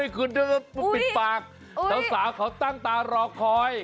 คุณต้องปิดปากสาวสาวเขาตั้งตารอคอย